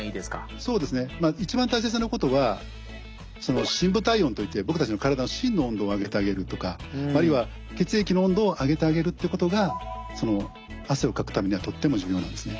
１番大切なことは深部体温といって僕たちの体の芯の温度を上げてあげるとかあるいは血液の温度を上げてあげるっていうことが汗をかくためにはとっても重要なんですね。